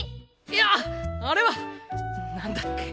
いやあれはなんだっけ？